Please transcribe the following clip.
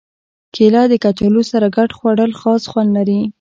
کېله د کچالو سره ګډ خوړل خاص خوند لري.